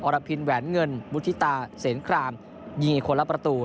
รพินแหวนเงินบุฒิตาเสนครามยิงคนละประตู